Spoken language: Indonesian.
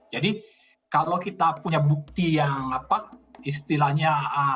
jadi kalau kita punya bukti yang apa istilahnya